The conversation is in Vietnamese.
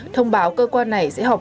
thông báo cơ quan này sẽ học